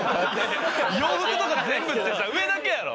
洋服とか全部って上だけやろ？